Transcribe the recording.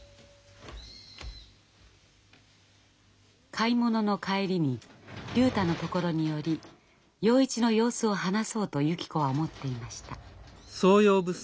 買い物の帰りに竜太のところに寄り洋一の様子を話そうとゆき子は思っていました。